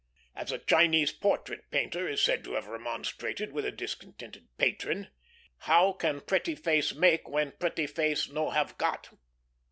As a Chinese portrait painter is said to have remonstrated with a discontented patron, "How can pretty face make, when pretty face no have got?"